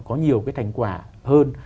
có nhiều cái thành quả hơn